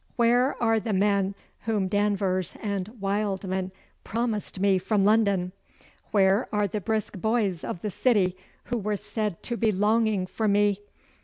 Where are the men whom Danvers and Wildman promised me from London? Where are the brisk boys of the City who were said to be longing for me?